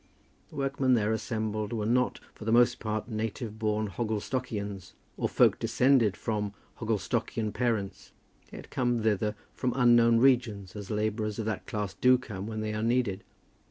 The workmen there assembled were not, for the most part, native born Hogglestockians, or folk descended from Hogglestockian parents. They had come thither from unknown regions, as labourers of that class do come when they are needed.